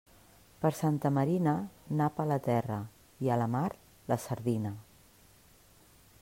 Per Santa Marina, nap a la terra, i a la mar, la sardina.